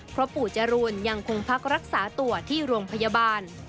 เพราะปู่จรูนยังคงพักรักษาตัวที่โรงพยาบาล